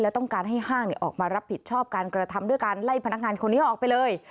ต้องการให้ห้างออกมารับผิดชอบการกระทำด้วยการไล่พนักงานคนนี้ออกไปเลย